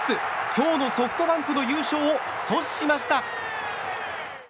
今日のソフトバンクの優勝を阻止しました。